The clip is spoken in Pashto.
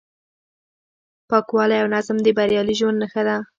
پاکوالی او نظم د بریالي ژوند نښه ده.